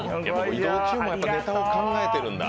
移動中もネタを考えているんだ。